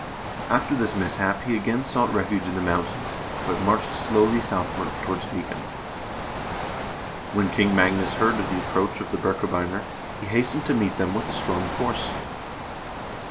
After this mishap he again sought refuge in the mountains, but marched slowly southward towards Viken. When King Magnus heard of the ap proach of the Birkebeiner, he hastened to meet them with a strong force.